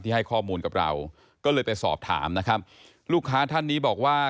ให้ข้อมูลกับเราก็เลยไปสอบถามนะครับลูกค้าท่านนี้บอกว่า